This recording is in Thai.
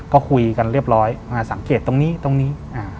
ก็คุยกันเรียบร้อยมาสังเกตตรงนี้ตรงนี้